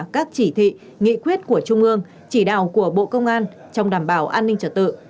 các chỉ thị nghị quyết của trung ương chỉ đạo của bộ công an trong đảm bảo an ninh trật tự